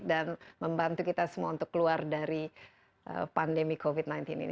dan membantu kita semua untuk keluar dari pandemi covid sembilan belas ini